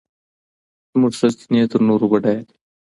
زموږ سرچينې تر نورو بډايه دي.